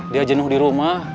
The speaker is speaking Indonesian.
dia jenuh di rumah